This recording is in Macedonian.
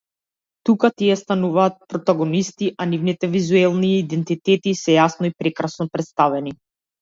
Тука тие стануваат протагонисти, а нивните визуелни идентитети се јасно и прекрасно претставени.